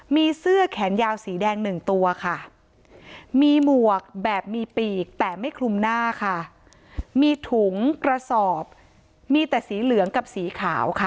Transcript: มีเสื้อแขนยาวสีแดงหนึ่งตัวค่ะมีหมวกแบบมีปีกแต่ไม่คลุมหน้าค่ะมีถุงกระสอบมีแต่สีเหลืองกับสีขาวค่ะ